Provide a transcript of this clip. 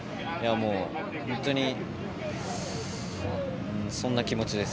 本当にそんな気持ちです。